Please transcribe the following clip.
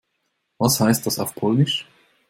Was heißt das auf Polnisch?